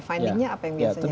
findingnya apa yang biasanya